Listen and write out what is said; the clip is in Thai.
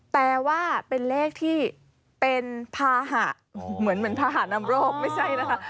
แต่ว่าเป็นเลขที่เป็นภาหะเหมือนพาหานำโรคไม่ใช่นะคะ